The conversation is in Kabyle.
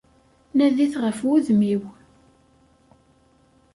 Nadit ɣef wudem-iw!